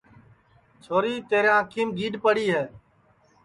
چھوری تیرے انکھیم گیڈؔ پڑی ہے